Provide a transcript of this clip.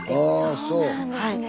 そうなんですね。